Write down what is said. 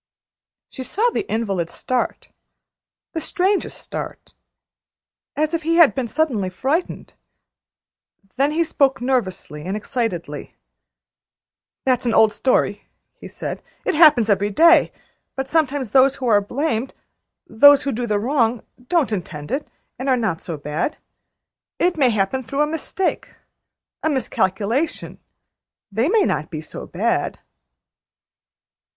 She saw the invalid start the strangest start as if he had been suddenly frightened. Then he spoke nervously and excitedly: "That's an old story," he said. "It happens every day; but sometimes those who are blamed those who do the wrong don't intend it, and are not so bad. It may happen through a mistake a miscalculation; they may not be so bad."